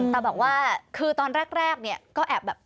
แต่บอกว่าคือตอนแรกเนี่ยก็แอบแบบ